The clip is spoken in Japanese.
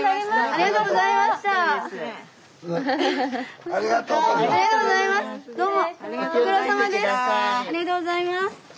ありがとうございます。